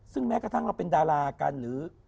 ซึ่งแม้กระทั่งเราเป็นดารากันหรือ